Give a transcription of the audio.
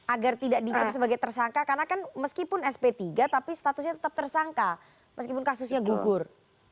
agar tidak dicap sebagai tersangka karena kan meskipun sp tiga tapi statusnya tetap tersangka meskipun kasusnya gugur